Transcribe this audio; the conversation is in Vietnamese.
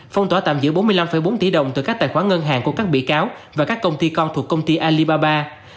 phong tỏa tạm giữ bốn mươi năm bốn tỷ đồng từ các tài khoản ngân hàng của các bị cáo và các công ty con thuộc công ty alibaba